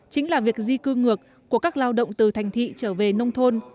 chính là việc di cư ngược của các lao động từ thành thị trở về nông thôn